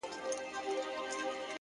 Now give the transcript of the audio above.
په کومه ورځ چي مي ستا پښو ته سجده وکړله’